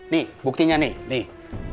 nih buktinya nih nih